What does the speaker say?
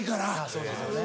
そうですよね。